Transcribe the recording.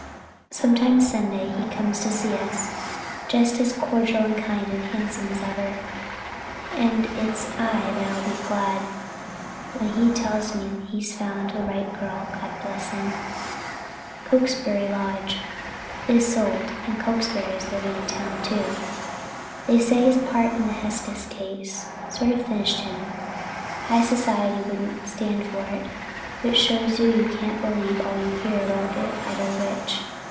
Sometimes Sunday he comes to see us, just as cordial and kind and handsome as ever, and it's I that'll be glad when he tells me he's found the right girl—God bless him! Cokesbury Lodge is sold and Cokesbury's living in town, too. They say his part in the Hesketh case sort of finished him. High society wouldn't stand for it, which shows you can't believe all you hear about the idle rich.